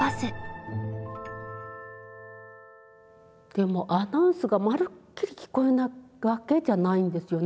でもアナウンスがまるっきり聞こえないわけじゃないんですよね。